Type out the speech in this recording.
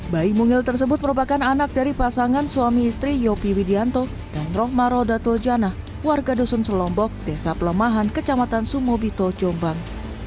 bayi mungil tersebut merupakan anak dari pasangan suami istri yopi widianto dan rohmaro datul janah warga dusun selombok desa pelemahan kecamatan sumobito jombang